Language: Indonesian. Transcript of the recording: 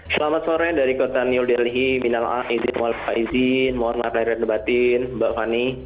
selamat sore dari kota new delhi minal aydin mohon maaf lahir batin mbak fani